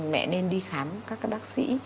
mẹ nên đi khám các bác sĩ